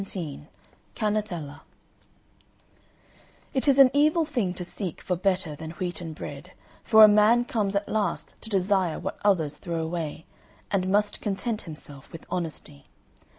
XVII CANNETELLA It is an evil thing to seek for better than wheaten bread, for a man comes at last to desire what others throw away, and must content himself with honesty.